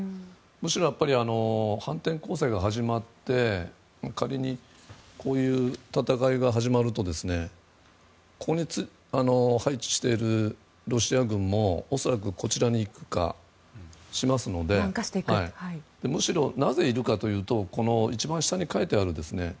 むしろ反転攻勢が始まって仮に、こういう戦いが始まるとここに配置しているロシア軍も恐らくこちらに行くかしますのでむしろ、なぜいるかというと一番下に書いてある。